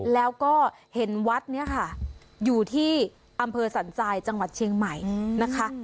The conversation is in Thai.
แล้วก็เห็นวัดนี้ค่ะอยู่ที่อำเภอสันทรายจังหวัดเชียงใหม่นะคะ